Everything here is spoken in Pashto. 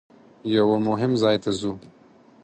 یوه مهم ځای ته ځو.